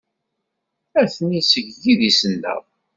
Atni seg yidis-nneɣ.